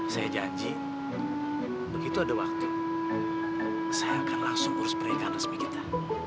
saya janji begitu ada waktu saya akan langsung urus pernikahan resmi kita